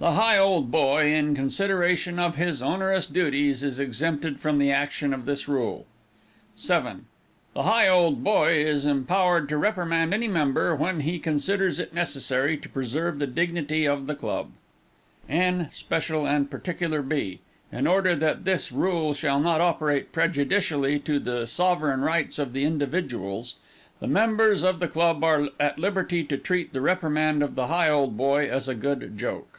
The Higholdboy, in consideration of his onerous duties, is exempted from the action of this rule. 7. The Higholdboy is empowered to reprimand any member, when he considers it necessary to preserve the dignity of the club. N. special and particular B. In order that this rule shall not operate prejudicially to the sovereign rights of individuals, the members of the club are at liberty to treat the reprimand of the Higholdboy as a good joke.